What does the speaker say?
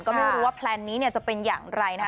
ก็ไม่รู้ว่าแพลนนี้จะเป็นอย่างไรนะคะ